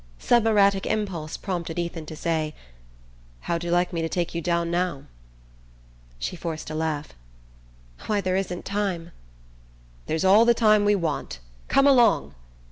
Some erratic impulse prompted Ethan to say: "How'd you like me to take you down now?" She forced a laugh. "Why, there isn't time!" "There's all the time we want. Come along!"